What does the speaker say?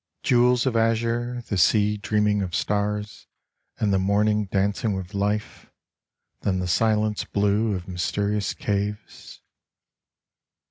Jewels of azure, the sea Dreaming of stars, and the morning Dancing with life, then the silence Blue of mysterious caves.